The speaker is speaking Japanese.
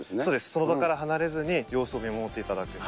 その場から離れずに様子を見守っていただく。